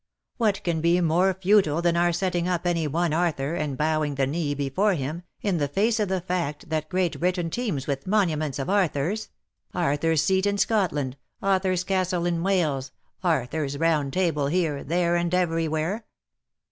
What can be more futile than our setting up any one Arthur, and bowing the knee before him, in the face of the fact that Great Britain teems with monu VOL. I. G 82 '^TINTAGELj HALF IX SEA^ AND HALF ON LAND." ments of Arthurs — Artliur^s Seat in Scotland, Arthur's Castle in Wales^ Arthur's Round Table here, there, and everywhere